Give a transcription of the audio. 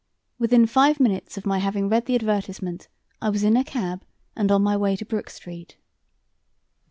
Within five minutes of my having read the advertisement I was in a cab and on my was to Brook Street.